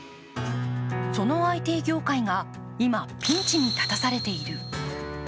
そのＩＴ業界が今、ピンチに立たされている。